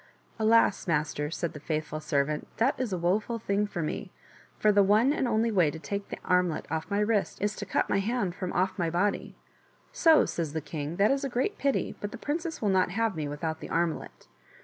" Alas, master," said the faithful servant, " that is a woful thing for me, for the one and only way to take the armlet off of my wrist is to cut my hand from off my body." " So !" says the king, " that is a great pity, but the princess will not have me without the armlet."